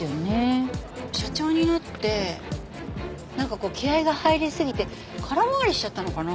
社長になってなんか気合が入りすぎて空回りしちゃったのかな？